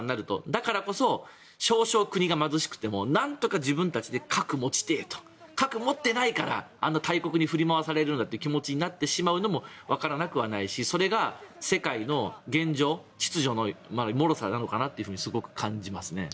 だからこそ、少々国が貧しくてもなんとか自分たちで核を持ちたいと核を持っていないからあんな大国に振り回されるんだという気持ちになってしまうのもわからなくはないしそれが世界の現状、秩序のもろさなのかなとすごく感じます。